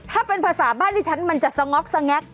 ถ้าเป็นภาษาบ้านที่ฉันมันจะสง็อกสงัก